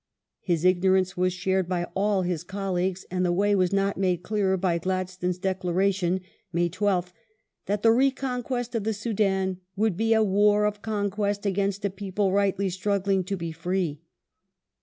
^ His ignorance was shared by all his colleagues, and the way was not made clearer by Gladstone's declaration (May 12th) that the reconquest of the Soudan " would be a war of conquest against a people rightly struggling to be free